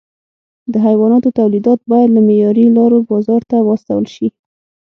د حیواناتو تولیدات باید له معیاري لارو بازار ته واستول شي.